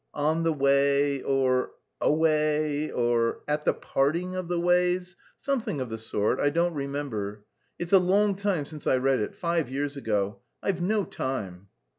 'On the Way' or 'Away!' or 'At the Parting of the Ways' something of the sort; I don't remember. It's a long time since I read it, five years ago. I've no time."